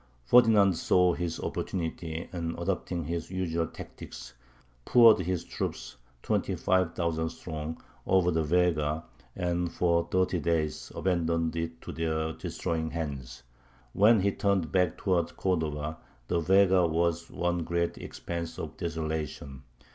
Ferdinand saw his opportunity, and, adopting his usual tactics, poured his troops, twenty five thousand strong, over the Vega, and for thirty days abandoned it to their destroying hands. When he turned back towards Cordova, the Vega was one great expanse of desolation.